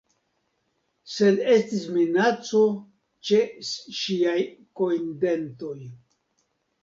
Sed estis minaco ĉe ŝiaj kojndentoj.